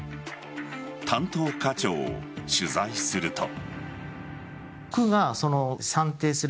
担当課長を取材すると。